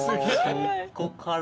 そこから。